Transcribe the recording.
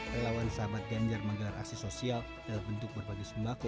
relawan sahabat ganjar menggelar aksi sosial dalam bentuk berbagi sembako